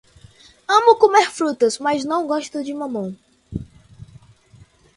Amo comer frutas, mas não gosto de mamão.